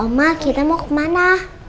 omah kita mau kemana